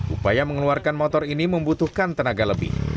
upaya mengeluarkan motor ini membutuhkan tenaga lebih